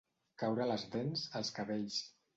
Caure les dents, els cabells.